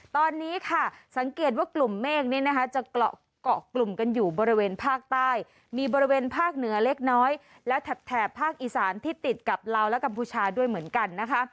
ตอนนี้ค่ะสังเกตว่ากลุ่มเมฆนี้นะคะจะเกาะเกาะกลุ่มกันอยู่บริเวณภาคใต้มีบริเวณภาคเหนือเล็กน้อยและแถบภาคอีสานที่ติดกับลาวและกัมพูชาด้วยเหมือนกันนะคะ